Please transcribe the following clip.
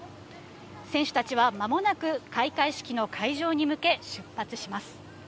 選手たちはまもなく開会式の会場に向け、出発します。